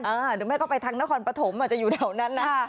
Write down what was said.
หรือไม่ก็ไปทางนครปฐมอาจจะอยู่แถวนั้นนะ